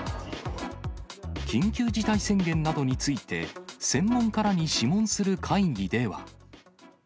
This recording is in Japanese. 緊急事態宣言などについて、専門家らに諮問する会議では。